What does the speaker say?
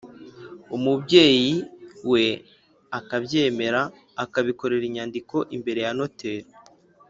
umubyeyi we akabyemera, akabikorera inyandiko imbere ya noteri.